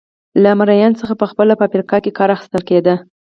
له مریانو څخه په خپله په افریقا کې کار اخیستل کېده.